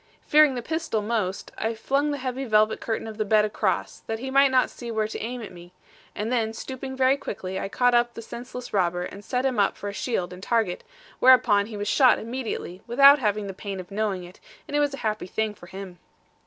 Fearing the pistol most, I flung the heavy velvet curtain of the bed across, that he might not see where to aim at me, and then stooping very quickly I caught up the senseless robber, and set him up for a shield and target; whereupon he was shot immediately, without having the pain of knowing it; and a happy thing it was for him.